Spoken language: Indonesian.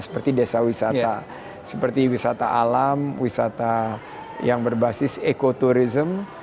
seperti desa wisata seperti wisata alam wisata yang berbasis ekoturism